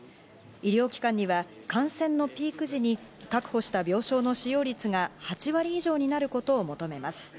医療機関には感染のピーク時に確保した病床の使用率が８割以上になることを求めます。